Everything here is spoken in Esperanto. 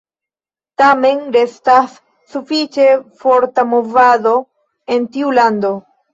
Tamen restas sufiĉe forta movado en tiu lando.